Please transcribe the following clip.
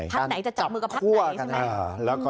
พักไหนจะจับมือกับพักไหน